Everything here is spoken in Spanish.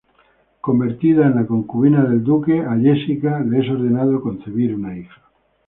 Convertida en la concubina del Duque, a Jessica le es ordenado concebir una hija.